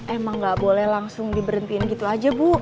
emang gak boleh langsung diberhentiin gitu aja bu